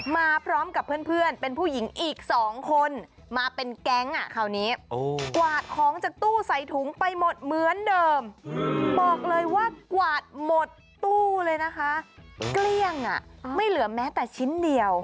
มาพร้อมกับเพื่อนเป็นผู้หญิงอีก๒คนมาเป็นแก๊งอ่ะคราวนี้กวาดของจากตู้ใส่ถุงไปหมดเหมือนเดิมบอกเลยว่ากวาดหมดตู้เลยนะคะเกลี้ยงอ่ะไม่เหลือแม้แต่ชิ้นเดียว